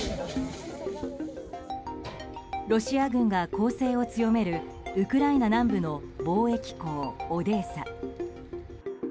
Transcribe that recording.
ロシア軍が攻勢を強めるウクライナ南部の貿易港オデーサ。